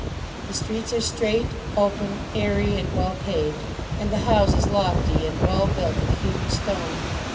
The streets are straight, open, airy, and well paved; and the houses lofty and well built of hewn stone.